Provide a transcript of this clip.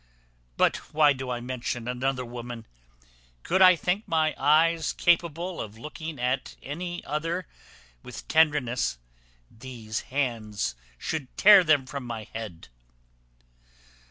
But why do I mention another woman? Could I think my eyes capable of looking at any other with tenderness, these hands should tear them from my head.